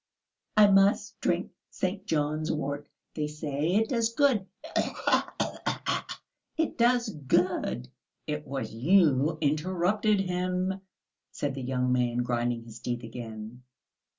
"I must drink St. John's wort; they say it does good ... khee khee khee! It does good!" "It was you interrupted him," said the young man, grinding his teeth again.